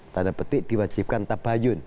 tanda petik diwajibkan tabayun